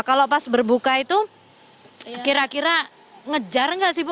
kalau pas berbuka itu kira kira ngejar nggak sih bu